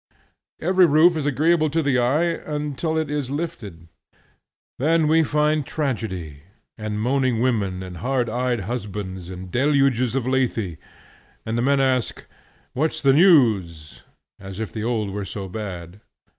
Every roof is agreeable to the eye until it is lifted; then we find tragedy and moaning women and hard eyed husbands and deluges of lethe, and the men ask, 'What's the news?' as if the old were so bad.